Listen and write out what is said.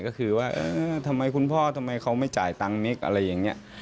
ก็คือว่าเออทำไมคุณพ่อทำไมเขาไม่จ่ายตังค์นิกอะไรอย่างนี้